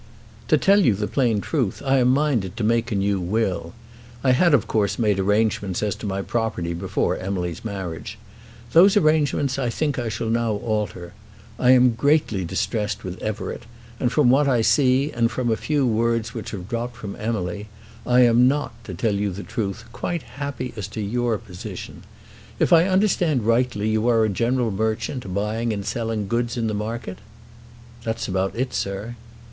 "To tell you the plain truth, I am minded to make a new will. I had of course made arrangements as to my property before Emily's marriage. Those arrangements I think I shall now alter. I am greatly distressed with Everett; and from what I see and from a few words which have dropped from Emily, I am not, to tell you the truth, quite happy as to your position. If I understand rightly you are a general merchant, buying and selling goods in the market?" "That's about it, sir."